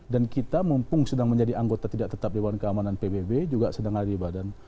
dan kita mumpung sedang menjadi anggota tidak tetap dewan keamanan pbb juga sedang ada di badan